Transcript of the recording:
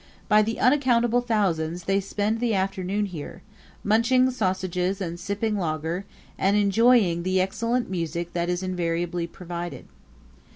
By the uncountable thousands they spend the afternoon here, munching sausages and sipping lager, and enjoying the excellent music that is invariably provided.